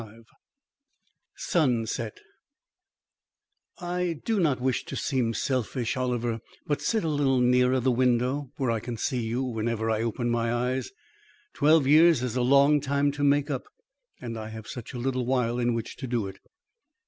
XXXV SUNSET "I do not wish to seem selfish, Oliver, but sit a little nearer the window where I can see you whenever I open my eyes. Twelve years is a long time to make up, and I have such a little while in which to do it."